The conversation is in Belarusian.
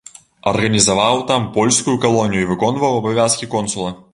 Арганізаваў там польскую калонію і выконваў абавязкі консула.